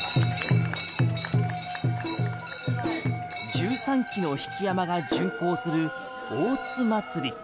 １３基の曳山が巡行する大津祭。